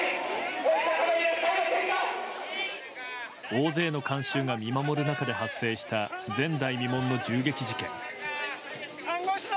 大勢の観衆が見守る中で発生した前代未聞の銃撃事件。